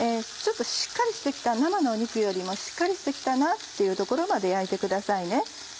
生の肉よりもしっかりしてきたなっていうところまで焼いてくださいね。